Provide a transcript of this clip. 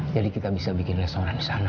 jadi kita bisa bikin restoran di sana